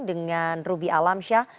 dengan rubi alamsyah